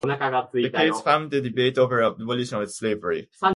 The case fanned the debate over the abolition of slavery.